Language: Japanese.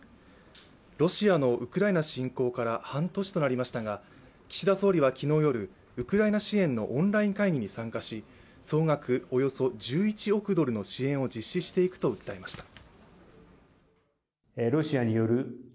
ロシアのウクライナ侵攻から半年となりましたが、岸田総理は昨日夜、ウクライナ支援のオンライン会議に参加し、総額およそ１１億ドルの支援を実施していくと訴えました。